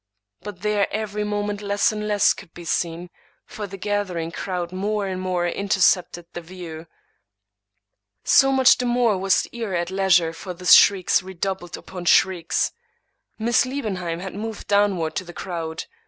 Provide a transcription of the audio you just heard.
But there, every moment, less and less could be seen, for the gathering crowd more and more intercepted the view; — so much the more was the ear at leisure for the shrieks redoubled upon ii8 Thomas De Quincey shrieks. Miss Liebenheim had moved downward to the crowd.